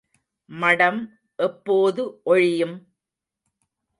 மடம் எப்போது ஒழியும்?